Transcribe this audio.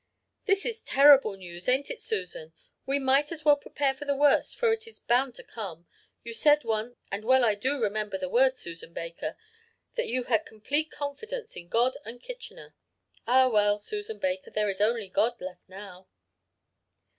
"'This is terrible news, ain't it, Susan? We might as well prepare for the worst for it is bound to come. You said once and well do I remember the words, Susan Baker that you had complete confidence in God and Kitchener. Ah well, Susan Baker, there is only God left now.'